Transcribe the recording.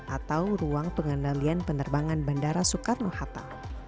atau ruang pengendalian penerbangan bandara soekarno hatta